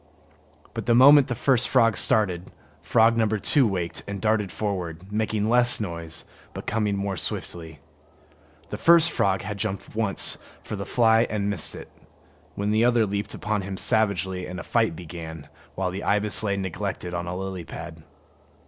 But the moment the first frog started, frog number two waked up and darted forward, making less noise but coming more swiftly. The first frog had jumped once for the fly and missed it, when the other leaped upon him savagely, and a fight began, while the ibis lay neglected on a lily pad.